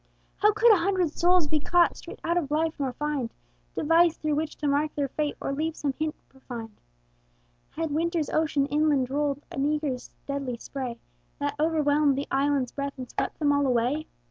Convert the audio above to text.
How could a hundred souls be caught Straight out of life, nor find Device through which to mark their fate, Or leave some hint behind? Had winter's ocean inland rolled An eagre's deadly spray, That overwhelmed the island's breadth And swept them all away?